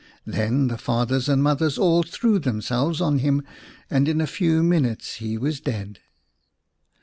Then the fathers and mothers all threw themselves on him and in a few minutes he was dead.